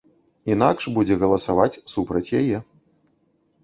Інакш будзе галасаваць супраць яе.